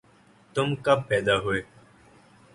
تم کب پیدا ہوئے